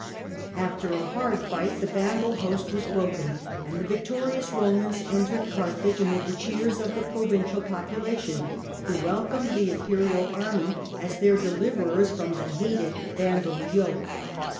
After a hard fight the Vandal host was broken, and the victorious Romans entered Carthage amid the cheers of the provincial population, who welcomed the Imperial army as their deliverers from the hated Vandal yoke.